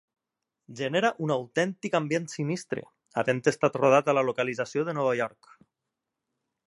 Genera un autèntic ambient sinistre, havent estat rodat a la localització de Nova York.